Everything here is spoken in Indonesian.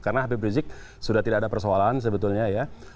karena habib rizik sudah tidak ada persoalan sebetulnya ya